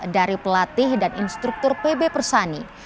dari pelatih dan instruktur pb persani